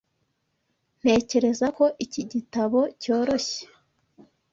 Ntekereza ko iki gitabo cyoroshye.